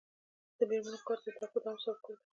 د میرمنو کار د زدکړو دوام سبب ګرځي.